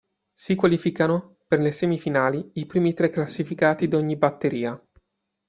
Si qualificano per le semifinali i primi tre classificati di ogni batteria.